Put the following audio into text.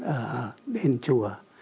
ở đền chùa